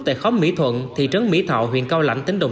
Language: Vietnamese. tại khóm mỹ thuận thị trấn mỹ thọ tp hcm